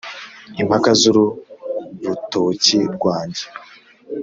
Impaka z' uru rutoki rwanjye :